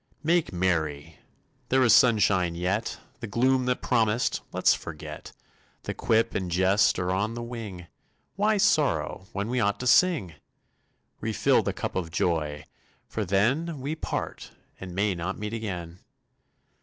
Make merry! There is sunshine yet, The gloom that promised, let's forget, The quip and jest are on the wing, Why sorrow when we ought to sing? Refill the cup of joy, for then We part and may not meet again.